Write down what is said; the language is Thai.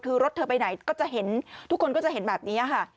คือรถเธอไปไหนทุกคนก็จะเห็นแบบนี้